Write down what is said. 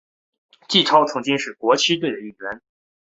纪超曾经是国青队的一员。